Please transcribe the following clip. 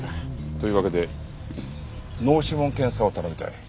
というわけで脳指紋検査を頼みたい。